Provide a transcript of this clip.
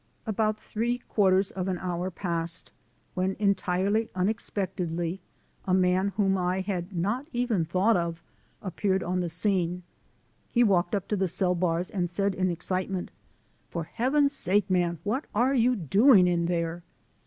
About three quarters of an hour passed when, entirely unexpectedly, a man whom I had not even thought of appeared on the scene. He walked up to the cell bars and said in excitement: "For Heavens sake, man, what are you doing in there?"